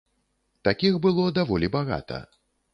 Такіх было даволі багата.